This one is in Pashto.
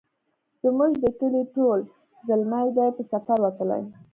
زموږ د کلې ټول زلمي دی په سفر وتلي